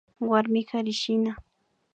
Warmi karishina